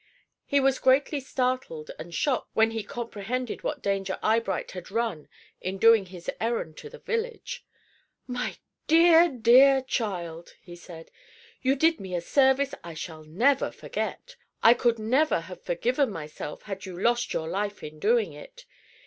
He was greatly startled and shocked when he comprehended what danger Eyebright had run in doing his errand to the village. "My dear, dear child," he said; "you did me a service I shall never forget. I could never have forgiven myself had you lost your life in doing it.